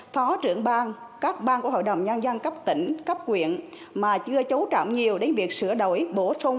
phó trưởng ban các ban của hội đồng nhân dân cấp tỉnh cấp quyện mà chưa chấu trọng nhiều đến việc sửa đổi bổ sung